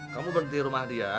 kamu berhenti rumah dia